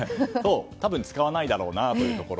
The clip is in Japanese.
多分、使わないだろうなというところ。